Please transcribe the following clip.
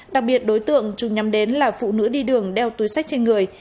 đặc biệt đối tượng chủ nhằm đến là phụ nữ đi đường đeo túi sách trên người